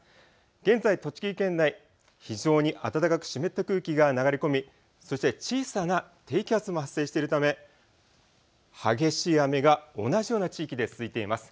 現在、栃木県内、非常に暖かく湿った空気が流れ込み、そして小さな低気圧も発生しているため激しい雨が同じような地域で続いています。